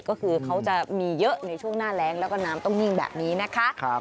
ก็คือเขาจะมีเยอะในช่วงหน้าแรงแล้วก็น้ำต้องนิ่งแบบนี้นะคะ